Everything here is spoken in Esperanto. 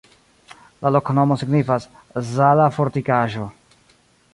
La loknomo signifas: Zala-fortikaĵo.